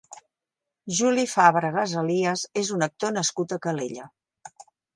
Juli Fàbregas Elías és un actor nascut a Calella.